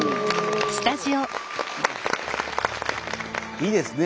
いいですね。